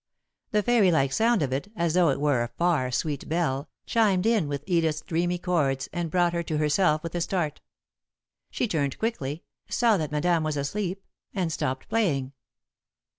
The fairy like sound of it, as though it were a far, sweet bell, chimed in with Edith's dreamy chords and brought her to herself with a start. She turned quickly, saw that Madame was asleep, and stopped playing.